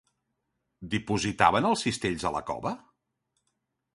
Dipositaven els cistells a la cova?